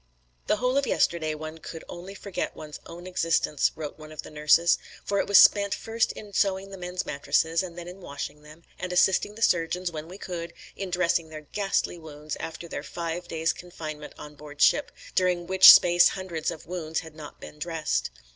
"The whole of yesterday one could only forget one's own existence," wrote one of the nurses, "for it was spent first in sewing the men's mattresses, and then in washing them, and assisting the surgeons, when we could, in dressing their ghastly wounds after their five days' confinement on board ship, during which space hundreds of wounds had not been dressed.